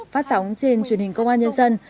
phát sóng trên truyền hình công an nhân dân